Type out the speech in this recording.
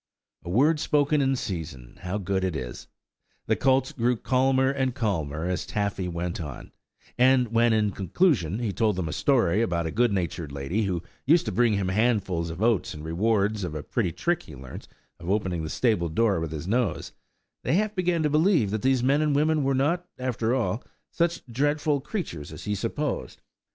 A word spoken in season, how good it is! The colts grew calmer and calmer as Taffy went on, and when, in conclusion, he told them a story about a good natured lady, who used to bring him handfuls of oats in reward of a pretty trick he learnt of opening the stable door with his nose, they half began to believe that these men and women were not, after all, such dreadful creatures as they had supposed.